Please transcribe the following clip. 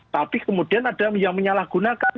tapi kemudian ada yang menyalahgunakan